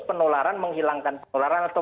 penularan menghilangkan penularan atau